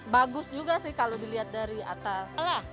bagus juga sih kalau dilihat dari atas